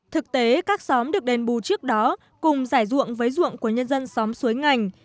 thực tế các xóm được đền bù trước đó cùng giải ruộng với ruộng của nhân dân xóm suối ngành